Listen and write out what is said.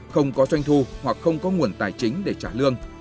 không có doanh thu hoặc không có nguồn tài chính để trả lương